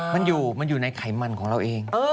มันอยู่มันอยู่ในไขมันของเราเอง